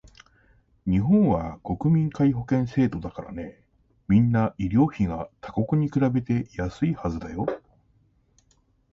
日本は国民皆保険制度だからね、みんな医療費が他国に比べて安いはずだよ